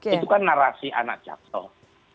itu kan narasi anak jatuh